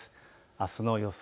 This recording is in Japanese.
あすの予想